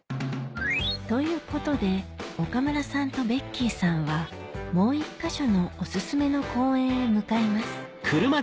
ということで岡村さんとベッキーさんはもう１か所のお薦めの公園へ向かいます